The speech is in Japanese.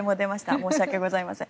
申し訳ございません。